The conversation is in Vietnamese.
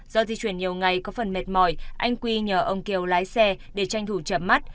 do di chuyển nhiều ngày có phần mệt mỏi anh quy nhờ ông kiều lái xe để tranh thủ chậm mắt